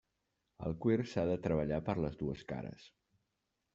El cuir s'ha de treballar per les dues cares.